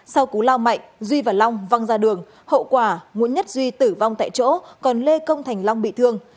sau cú lao mạnh duy và long văng ra đường hậu quả nguyễn nhất duy tử vong tại chỗ còn lê công thành long bị thương